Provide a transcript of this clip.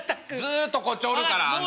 ずっとこっちおるからあんた。